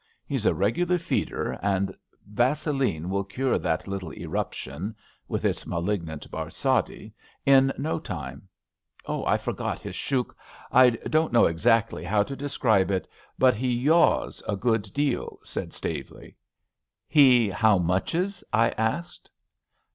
He's a regular feeder, and vase line will cure that little eruption "— ^with its ma lignant barsati —^* in no time. Oh, I forgot his shouk; I don't know exactly how to describe it, but he yaws a good deal," said Staveley. He how muches? " I asked.